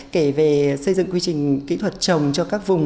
kể về xây dựng quy trình kỹ thuật trồng cho các vùng